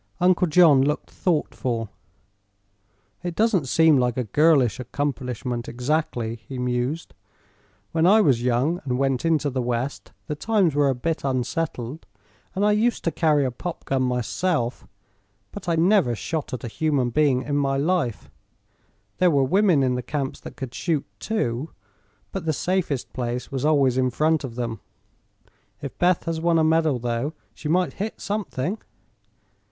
Uncle John looked thoughtful. "It doesn't seem like a girlish accomplishment, exactly," he mused. "When I was young and went into the West, the times were a bit unsettled, and I used to carry a popgun myself. But I never shot at a human being in my life. There were women in the camps that could shoot, too; but the safest place was always in front of them. If Beth has won a medal, though, she might hit something."